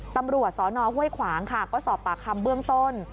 ตำรวจสนห้วยขวางค่ะก็สอบปากคำเบื้องต้น